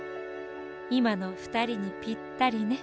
いまのふたりにぴったりね。